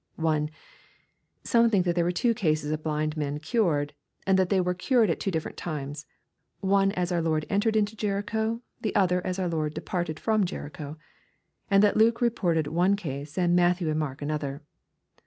(1.) Some think that there were two cases of blind men cured, and that they were cured at two different times, — one as our Lord entered into Jericho, the other as our Lord depar ted from Jericho, — and that Luke reported one case, and Matthew and Mark another.